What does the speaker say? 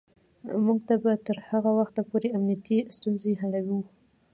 موږ به تر هغه وخته پورې امنیتی ستونزې حلوو.